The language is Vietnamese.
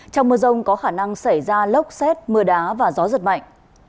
trong mưa rông có khả năng xảy ra lốc xét mưa đá và gió giật mạnh